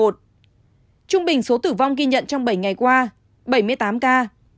trung bình số tử vong ghi nhận trong bảy ngày qua bảy mươi tám ca